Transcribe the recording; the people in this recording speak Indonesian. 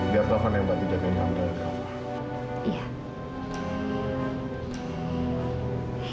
biar taufan yang bantu jagain kava